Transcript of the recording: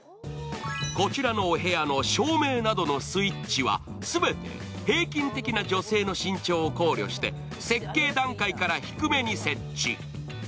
こちらのお部屋の照明などのスイッチは全て平均的な女性の身長を考慮して設計段階から低めに設置。